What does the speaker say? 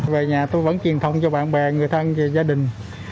về nhà tôi vẫn truyền thông cho bạn bè người thân và gia đình